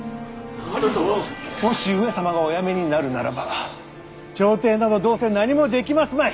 もし上様がお辞めになるならば朝廷などどうせ何もできますまい。